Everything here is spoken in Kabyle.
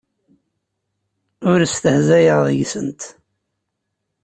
Ur stehzayeɣ deg-sent.